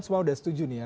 semua udah setuju nih ya